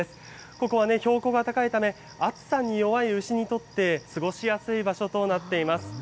ここは標高が高いため、暑さに弱い牛にとって、過ごしやすい場所となっています。